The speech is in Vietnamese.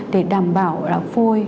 để đảm bảo phôi đạt chất lượng